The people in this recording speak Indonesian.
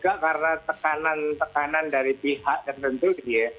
ada tekanan tekanan dari pihak tertentu gitu ya